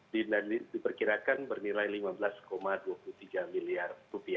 diperkirakan bernilai rp lima belas dua puluh tiga miliar